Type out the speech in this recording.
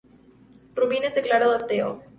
Rubin es declarado ateo.